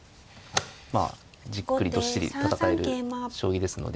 まあじっくりどっしり戦える将棋ですので。